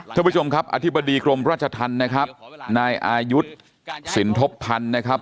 ท่านผู้ชมครับอธิบดีกรมราชธรรมนะครับนายอายุสินทบพันธ์นะครับ